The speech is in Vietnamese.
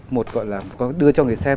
một gọi là đưa cho người xem